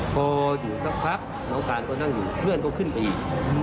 พออยู่สักพักน้องการก็นั่งอยู่เพื่อนก็ขึ้นไปอีก